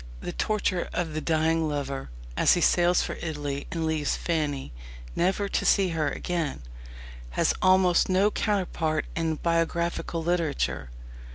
The torture of the dying lover, as he sails for Italy and leaves Fanny, never to see her again, has almost no counterpart in biographical literature.